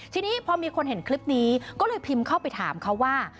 ทีนี้พอมีคนเห็นคลิปนี้ก็เลยพิมพ์เข้าไปถามเขาว่า